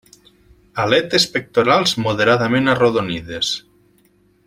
Aletes pectorals moderadament arrodonides.